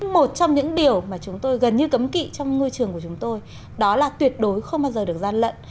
một trong những điều mà chúng tôi gần như cấm kỵ trong ngôi trường của chúng tôi đó là tuyệt đối không bao giờ được gian lận